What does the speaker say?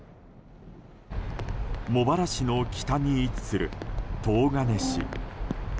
茂原市の北に位置する東金市。